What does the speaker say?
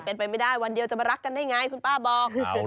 เป็นไปไม่ได้วันเดียวจะมารักกันได้ไงคุณป้าบอก